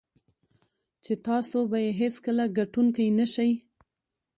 چې تاسو به یې هېڅکله ګټونکی نه شئ.